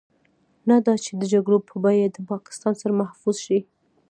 نه دا چې د جګړو په بيه د پاکستان سر محفوظ شي.